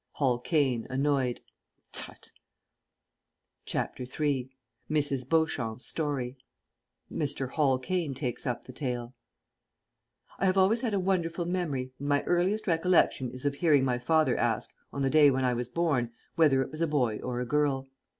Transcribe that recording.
_ Hall Caine (annoyed). Tut!] CHAPTER III MRS. BEAUCHAMP'S STORY (MR. HALL CAINE takes up the tale) I have always had a wonderful memory, and my earliest recollection is of hearing my father ask, on the day when I was born, whether it was a boy or a girl.